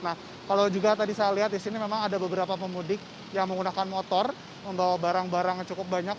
nah kalau juga tadi saya lihat di sini memang ada beberapa pemudik yang menggunakan motor membawa barang barang yang cukup banyak